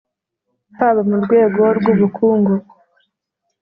haba mu rwego rw'ubukungu,